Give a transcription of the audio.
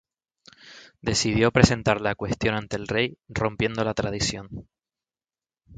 Decidió presentar la cuestión ante el rey, rompiendo la tradición.